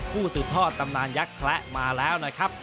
สืบทอดตำนานยักษ์แคละมาแล้วนะครับ